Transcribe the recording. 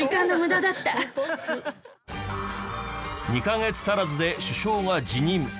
２カ月足らずで首相が辞任。